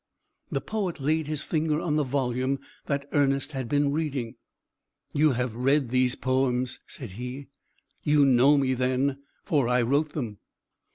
The poet laid his finger on the volume that Ernest had been reading. "You have read these poems," said he. "You know me, then for I wrote them."